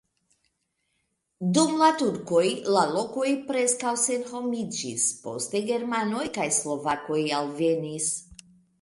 Dum la turkoj la lokoj preskaŭ senhomiĝis, poste germanoj kaj slovakoj alvenis.